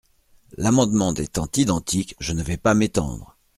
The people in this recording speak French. L’amendement étant identique, je ne vais pas m’étendre.